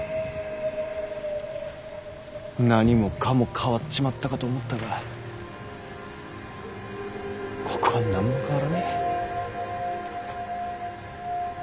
何もかも変わっちまったかと思ったがここは何も変わらねぇ。